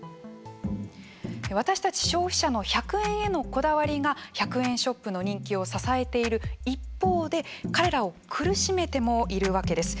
私たち消費者の１００円へのこだわりが１００円ショップの人気を支えている一方で彼らを苦しめてもいるわけです。